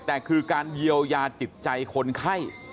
แต่คือการเยียวยาจิตใจคนไข้